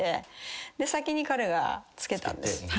先に彼がつけたんです。